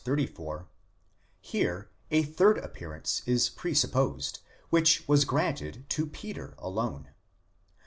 34): here a third ap pearance is presupposed, which was granted to Peter alone.